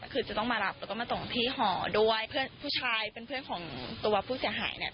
คือจะต้องมารับแล้วก็มาส่งที่หอด้วยเพื่อนผู้ชายเป็นเพื่อนของตัวผู้เสียหายเนี่ย